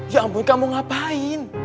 ya ampun kak mau ngapain